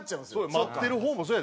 待ってる方もそうやで。